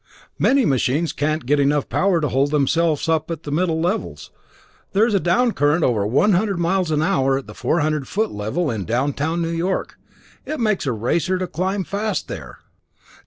Many machines can't get enough power to hold themselves up at the middle levels; there is a down current over one hundred miles an hour at the 400 foot level in downtown New York. It takes a racer to climb fast there!